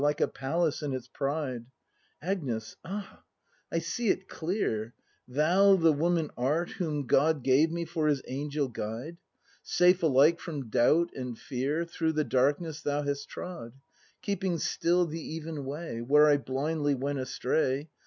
Like a palace in its pride. Agnes — ah! I see it clear; Thou the woman art whom God ACT IV] BRAND 163 Gave me for His angel guide. Safe alike from doubt and fear Through the darkness thou hast trod, Keeping still the even way, Where I blindly went astray.